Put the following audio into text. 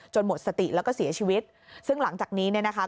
หมดสติแล้วก็เสียชีวิตซึ่งหลังจากนี้เนี่ยนะคะ